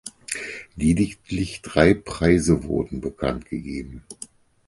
Lediglich drei Preise wurden bekanntgegeben.